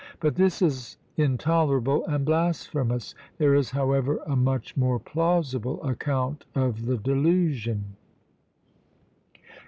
But this is intolerable and blasphemous; there is, however, a much more plausible account of the delusion.